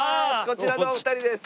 こちらのお二人です。